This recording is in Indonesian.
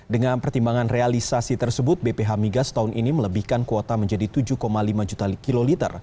dengan pertimbangan realisasi tersebut bph migas tahun ini melebihkan kuota menjadi tujuh lima juta kiloliter